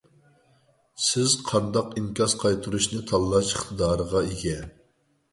سىز قانداق ئىنكاس قايتۇرۇشنى تاللاش ئىقتىدارىغا ئىگە.